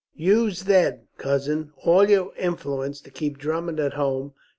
"Use then, cousin, all your influence to keep Drummond at home.